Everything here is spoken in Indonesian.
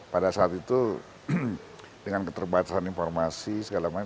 pada saat itu dengan keterbatasan informasi segala macam